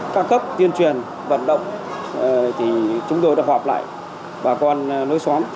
các cấp tiên truyền vận động chúng tôi đã họp lại bà con nơi xóm